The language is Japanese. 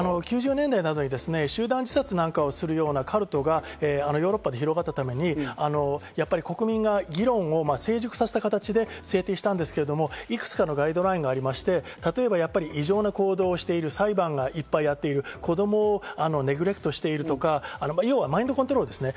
９０年代などに集団自殺をするようなカルトがヨーロッパで広がったために国民が議論を成熟させた形で制定したんですけど、いくつかのガイドラインがありまして、例えばやっぱり異常な行動をしている、裁判をいっぱいやっている、子どもをネグレクトしているとか、マインドコントロールですね。